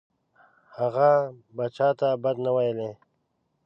هغه ﷺ به چاته بد نه ویلی.